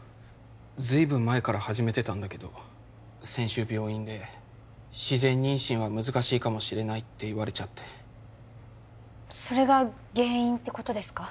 ずいぶん前から始めてたんだけど先週病院で自然妊娠は難しいかもしれないって言われちゃってそれが原因ってことですか？